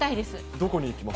どこに行きます？